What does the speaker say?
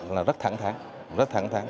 là rất thẳng thắn